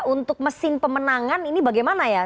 untuk mesin pemenangan ini bagaimana ya